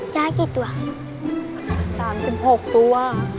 ยากกี่ตัว